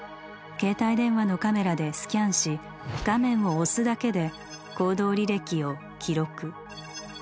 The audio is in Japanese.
携帯電話のカメラで「スキャン」し画面を「押す」だけで行動履歴を「記録」。